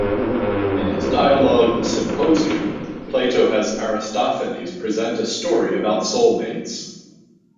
In his dialogue "The Symposium", Plato has Aristophanes present a story about soulmates.